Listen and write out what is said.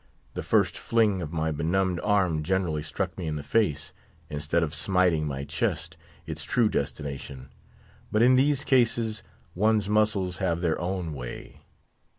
The first fling of my benumbed arm generally struck me in the face, instead of smiting my chest, its true destination. But in these cases one's muscles have their own way.